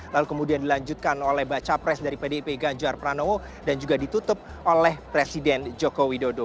lalu kemudian dilanjutkan oleh baca pres dari pdip ganjar pranowo dan juga ditutup oleh presiden joko widodo